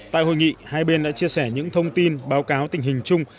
tại hội nghị hai bên đã chia sẻ những thông tin báo cáo tình hình chung